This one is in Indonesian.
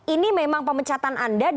ini memang pemecatan anda dilakukan karena anda